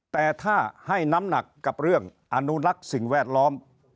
แต่ถ้าให้น้ำหนักกับเรื่องอนุรักษ์สิ่งแวดล้อม